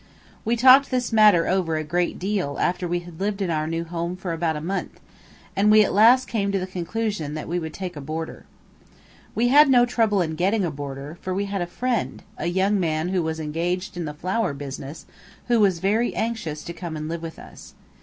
We talked this matter over a great deal after we had lived in our new home for about a month, and we came at last to the conclusion that we would take a boarder. We had no trouble in getting a boarder, for we had a friend, a young man who was engaged in the flour business, who was very anxious to come and live with us.